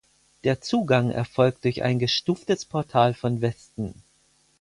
Der Zugang erfolgt durch ein gestuftes Portal von Westen.